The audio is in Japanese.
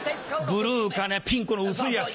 ブルーかピンクの薄いやつ。